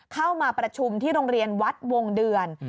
เข้ามาประชุมที่โรงเรียนวัดวงเดือน